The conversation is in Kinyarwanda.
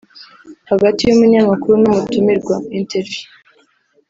hagati y’Umunyamakuru n’umutumirwa (Interview)